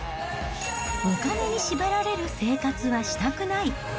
お金に縛られる生活はしたくない。